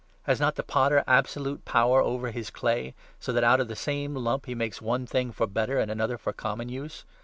Has not the potter 21 absolute power over his clay, so that out of the same lump he makes one thing for better, and another for common, use